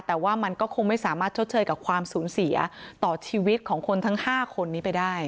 แต่ว่ามันก็คงไม่สามารถชดเชยกับความสูญเสียต่อชีวิตของคนทั้ง๕คนนี้ไปได้